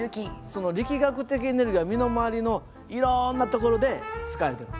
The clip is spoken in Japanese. その力学的エネルギーは身の回りのいろんなところで使われてる。